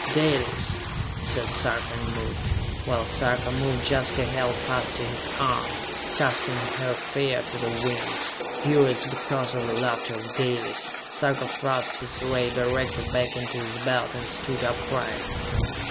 "Dalis!" said Sarka, and moved. While Sarka moved, Jaska held fast to his arm. Casting her fear to the winds, furious because of the laughter of Dalis, Sarka thrust his ray director back into his belt and stood upright.